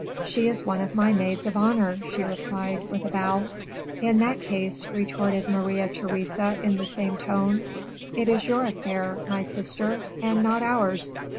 "She is one of my maids of honor," she replied, with a bow. "In that case," retorted Maria Theresa, in the same tone, "it is your affair, my sister, and not ours."